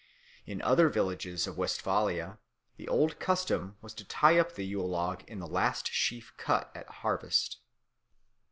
In other villages of Westphalia the old custom was to tie up the Yule log in the last sheaf cut at harvest.